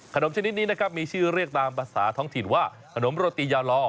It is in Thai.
ชนิดนี้นะครับมีชื่อเรียกตามภาษาท้องถิ่นว่าขนมโรตียาลอ